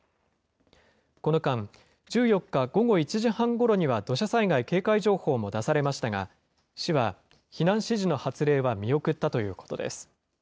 この間、１４日午後１時半ごろには土砂災害警戒情報も出されましたが、市は避難指示の発令は見送ったということです。